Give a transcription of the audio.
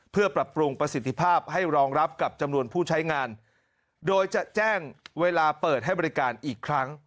เพื่อปรับปรุงประสิทธิภาพให้รองรับกับจำนวนผู้ใช้งานโดยจะแจ้งเวลาเปิดให้บริการอีกครั้ง